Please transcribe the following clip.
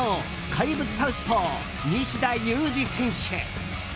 怪物サウスポー西田有志選手。